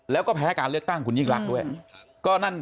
แล้วก็แพ้การเลือกตั้งคุณยิ่งรักด้วย